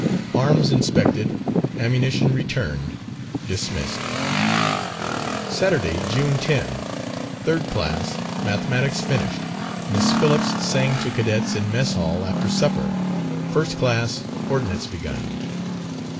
Arms inspected, ammunition returned. Dismissed. Saturday, June 10. Third class, mathematics finished. Miss Philips sang to cadets in mess hall after supper. First class, ordnance begun.